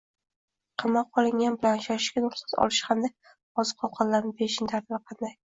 Qamoqqa olingan bilan uchrashishga ruxsat olish hamda oziq-ovqatlarni berishning tartibi qanday?